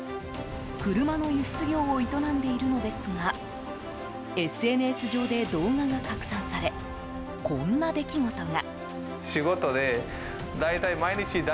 車の輸出業を営んでいるのですがＳＮＳ上で動画が拡散されこんな出来事が。